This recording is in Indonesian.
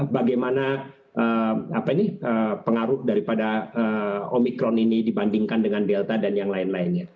bagaimana pengaruh daripada omikron ini dibandingkan dengan delta dan yang lain lainnya